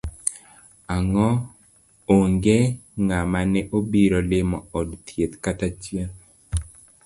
Onge ngama ne obiro lima od thieth kata achiel